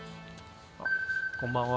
こんばんは。